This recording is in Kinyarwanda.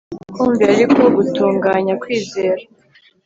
kumvira ariko gutunganya kwizera